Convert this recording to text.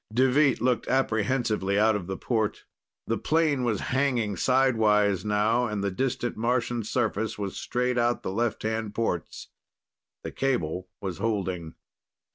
Deveet looked apprehensively out of the port. The plane was hanging sidewise now, and the distant Martian surface was straight out the left hand ports. The cable was holding.